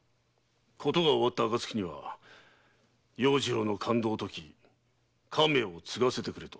「ことが終わった暁には要次郎の勘当を解き家名を継がせてくれ」と。